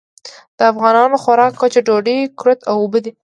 د افغانانو خوراک وچه ډوډۍ، کُرت او اوبه دي.